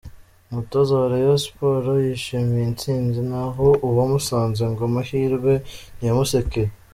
Umutoza wa Rayon Sport yishimiye intsinzi naho uwa Musanze ngo amahirwe ntiyamusekeye.